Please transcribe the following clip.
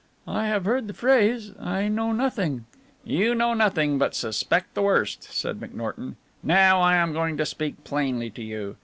"I have heard the phrase. I know nothing " "You know nothing, but suspect the worst," said McNorton. "Now I am going to speak plainly to you.